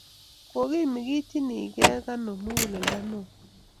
Kukimitinikei kano muguleldo neo